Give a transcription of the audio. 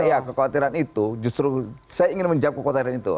nah ya kekhawatiran itu justru saya ingin menjawab kekuatan itu